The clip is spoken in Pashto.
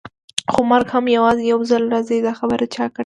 خو مرګ هم یوازې یو ځل راځي، دا خبره چا کړې؟